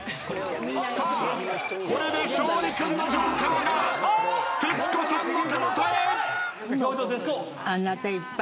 さあこれで勝利君のジョーカーが徹子さんの手元へ！